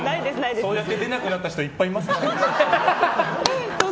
そうやって出なくなった人いっぱいいますからね。